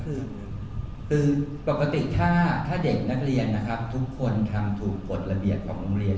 คือปกติถ้าเด็กนักเรียนนะครับทุกคนทำถูกกฎระเบียบของโรงเรียน